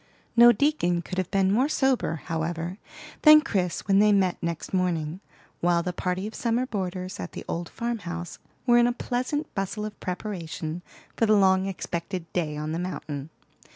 No deacon could have been more sober, however, than Chris when they met next morning, while the party of summer boarders at the old farm house were in a pleasant bustle of preparation for the long expected day on the mountain.